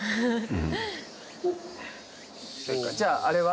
じゃああれは？